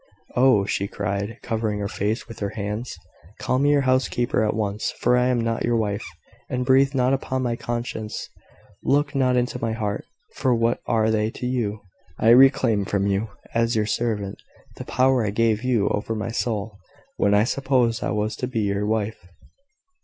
Oh!" she cried, covering her face with her hands, "call me your housekeeper at once for I am not your wife and breathe not upon my conscience look not into my heart for what are they to you? I reclaim from you, as your servant, the power I gave you over my soul, when I supposed I was to be your wife."